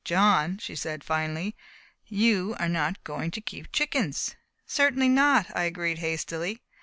"John," she said finally "you are not going to keep chickens!" "Certainly not!" I agreed hastily.